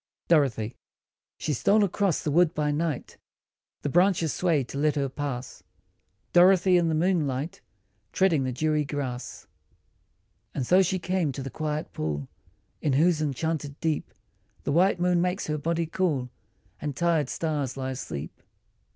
1 02 DOROTHY SHE stole across the wood by night, The branches swayed to let her pass, Dorothy in the moonlight Treading the dewy grass. And so she came to the quiet pool In whose enchanted deep The white moon makes her body cool And tired stars lie asleep.